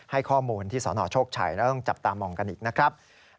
ให้ข้อมูลที่สนโชคชัยแล้วต้องจับตามองกันอีกนะครับ